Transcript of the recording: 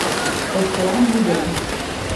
Ошкылам вӱден.